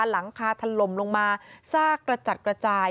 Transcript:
หลังคาถล่มลงมาซากกระจัดกระจาย